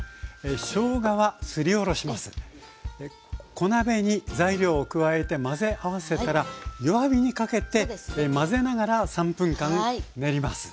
小鍋に材料を加えて混ぜ合わせたら弱火にかけて混ぜながら３分間練ります。